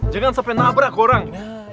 jangan sampai nabrak orang